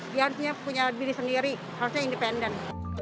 dia harusnya punya diri sendiri harusnya independen